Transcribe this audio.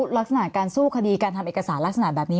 ลักษณะการสู้คดีการทำเอกสารลักษณะแบบนี้